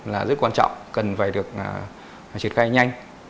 là rất quan trọng cần phải được triển khai nhanh